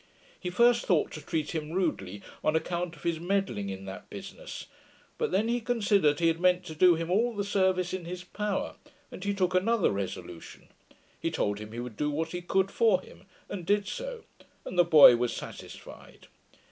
He first thought to treat him rudely, on account of his meddling in that business; but then he considered, he had meant to do him all the service in his power, and he took another resolution; he told him he would do what he could for him, and did so, and the boy was satisfied.